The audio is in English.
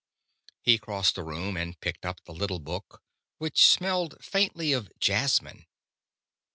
He crossed the room and picked up the little book, which smelled faintly of jasmine.